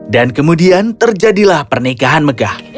dan kemudian terjadilah pernikahan megah